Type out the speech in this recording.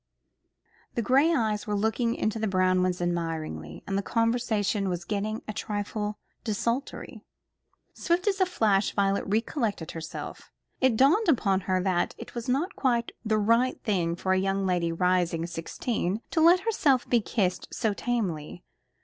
The gray eyes were looking into the brown ones admiringly, and the conversation was getting a trifle desultory. Swift as a flash Violet recollected herself. It dawned upon her that it was not quite the right thing for a young lady "rising sixteen" to let herself be kissed so tamely.